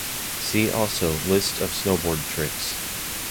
See also List of snowboard tricks.